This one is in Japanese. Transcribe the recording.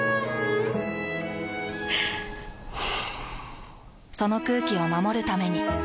ふぅその空気を守るために。